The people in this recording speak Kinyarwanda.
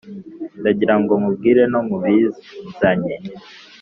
ndagirango nkubwire no mubinzanye